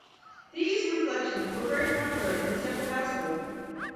These reflections were very popular in the Temple household.